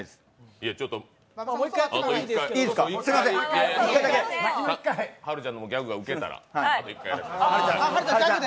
いや、もう１回、はるちゃんのギャグがウケたら。